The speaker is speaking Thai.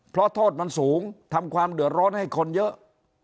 เพราะโทษมันสูงทำความเดือดร้อนให้คนเยอะ